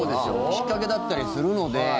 引っかけだったりするので。